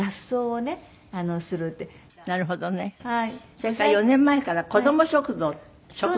それから４年前から子ども食堂食堂？